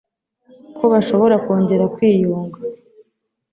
ko bashobora kongera kwiyunga